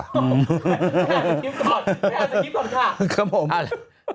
ไม่เอาสคริปต่อไม่เอาสคริปต่อค่ะครับผม